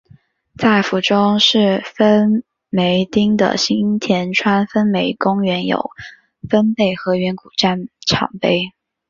在府中市分梅町的新田川分梅公园有分倍河原古战场碑。